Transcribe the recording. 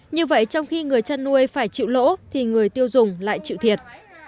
như vậy trong khi người chăn nuôi phải chịu lỗ thì người tiêu dùng lại chịu thiệt